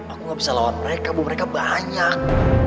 aku gak bisa lawan mereka mau mereka banyak